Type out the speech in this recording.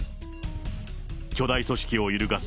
巨大組織を揺るがす